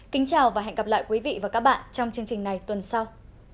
kính chào và hẹn gặp lại quý vị và các bạn trong chương trình này tuần sau